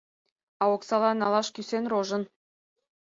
А оксала налаш кӱсен рожын.